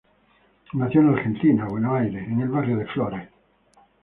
Nació en Argentina, Buenos Aires, en el barrio de Flores.